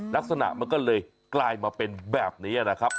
ลักษณะมันก็เลยกลายมาเป็นแบบนี้นะครับ